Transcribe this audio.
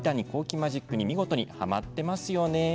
マジックに見事にはまっていますよね。